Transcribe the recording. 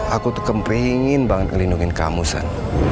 aku tuh kepingin banget ngelindungin kamu sen